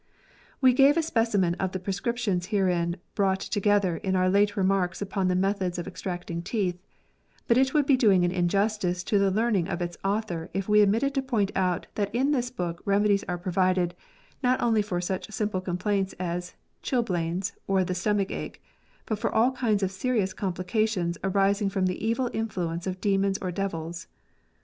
We gave a specimen of the prescriptions herein brought together in our late remarks upon the methods of extracting teeth, but it would be doing an injustice to the learning of its author if we omitted to point out that in this book remedies are provided, not only for such simple complaints as chilblains or the stomach ache, but for all kinds of serious complications arising from the evil influence of demons or devils.